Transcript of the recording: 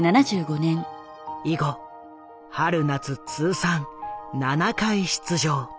以後春夏通算７回出場。